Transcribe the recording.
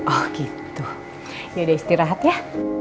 oh gitu yaudah istirahat ya